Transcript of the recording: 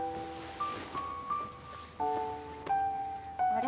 あれ？